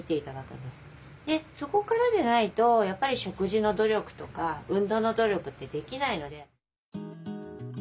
そこからでないとやっぱり食事の努力とか運動の努力ってできないので。